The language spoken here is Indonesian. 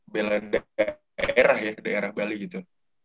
bela daerah ya daerah bali gitu